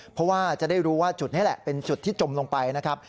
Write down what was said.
เพราะว่าจะได้รู้ว่าจุดนี้แหละเป็นจุดที่จมลงไปนะครับ